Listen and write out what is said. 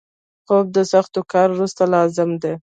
خوب د سخت کار وروسته لازم دی